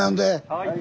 はい。